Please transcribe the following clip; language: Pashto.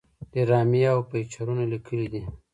ډرامې او فيچرونه ليکلي دي